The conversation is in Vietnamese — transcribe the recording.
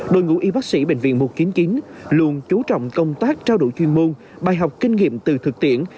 đội ngũ y bác sĩ bệnh viện một trăm chín mươi chín luôn chú trọng công tác trao đổi chuyên môn bài học kinh nghiệm từ thực tiễn